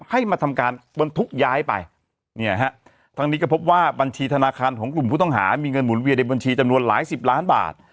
ให้มาทำการบรรทุกย้ายไปเนี่ยฮะทั้งนี้ก็พบว่าบัญชีธนาคารของกลุ่มผู้ต้องหามีเงินหมุนเวียนในบัญชีจำนวนหลายสิบล้านบาท